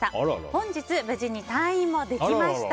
本日無事に退院もできました。